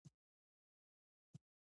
دری سوه یو دېرش تنه وژل شوي.